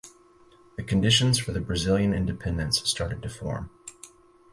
The conditions for the Brazilian independence started to form.